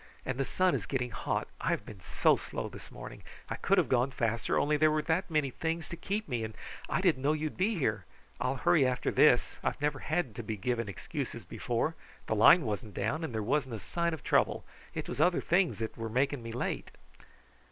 And the sun is getting hot! I have been so slow this morning! I could have gone faster, only there were that many things to keep me, and I didn't know you would be here. I'll hurry after this. I've never had to be giving excuses before. The line wasn't down, and there wasn't a sign of trouble; it was other things that were making me late."